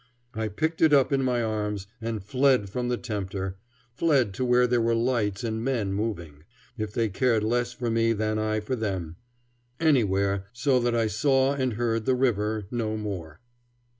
I picked it up in my arms and fled from the tempter; fled to where there were lights and men moving, if they cared less for me than I for them anywhere so that I saw and heard the river no more.